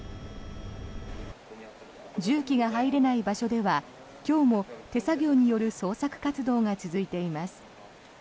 重機が入れない場所では今日も手作業による捜索活動が続いています。